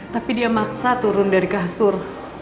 tapi dia maksa turun dari kasur